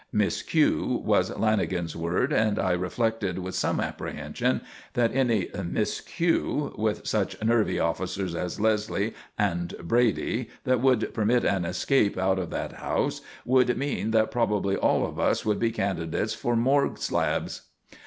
"Miscue" was Lanagan's word: and I reflected with some apprehension, that any "miscue" with such nervy officers as Leslie and Brady that would permit an escape out of that house would mean that probably all of us would be candidates for morgue slabs.